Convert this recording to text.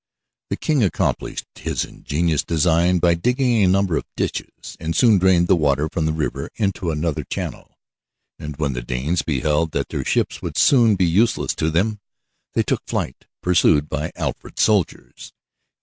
The King accomplished his ingenious design by digging a number of ditches that soon drained the water from the river into another channel. And when the Danes beheld that their ships would soon be useless to them, they took to flight, pursued by Alfred's soldiers.